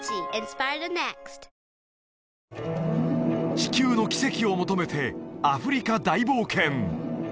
地球の奇跡を求めてアフリカ大冒険